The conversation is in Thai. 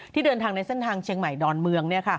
เดินทางในเส้นทางเชียงใหม่ดอนเมือง